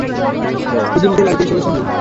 ইতিমধ্যেই বাড়িতে এসে গেছ নাকি?